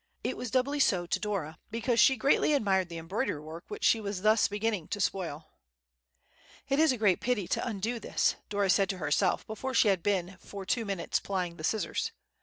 It was doubly so to Dora, because she greatly admired the embroidery work which she was thus beginning to spoil. "It is a great pity to undo this," Dora said to herself before she had been for two minutes plying the scissors.